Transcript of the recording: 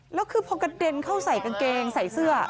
แล้วคือพอกระเด็นเข้าใส่กางเกงใส่เสื้อ